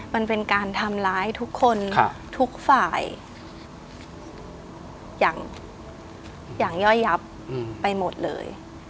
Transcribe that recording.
มันเป็นการทำร้ายทุกคนทุกฝ่ายอย่างย่อยยับไปหมดเลย